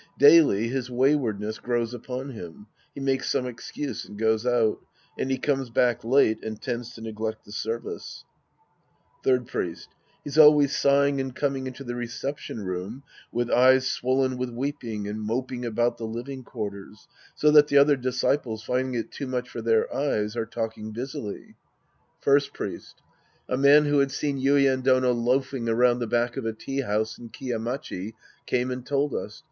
Daily his waywardness grows upon him. He makes some excuse and goes out. And he comes back late and tends to neglect the services. Third Priest. He's always sighing and coming into the reception room with eyes swollen with weep> ing and moping about the living quarters, so that the other disciples, finding it too much for their eyes, are talking busily. 194 The Priest and His Disciples Act V" First Priest. A man who had seen Yuien Dono loafing around the back of a tea house in Kiya Machi came and told us.